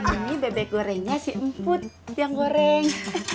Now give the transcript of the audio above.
ini bebek gorengnya si emput yang goreng